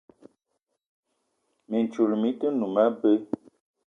Mintchoul mi-te noum abé.